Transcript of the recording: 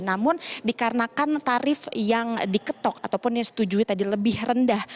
namun dikarenakan tarif yang diketok ataupun yang disetujui tadi lebih rendah